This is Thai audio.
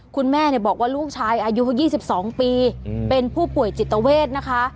คุณแม่บอกว่าลูกชายอายุ๒๒ปีเป็นผู้ป่วยจิตเวทนะคะ